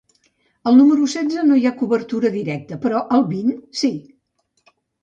Al número setze no hi ha cobertura directa però al vint sí